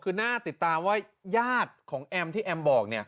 คือน่าติดตามว่าญาติของแอมที่แอมบอก